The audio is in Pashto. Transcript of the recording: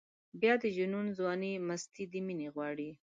بیا د جنون ځواني مستي د مینې غواړي.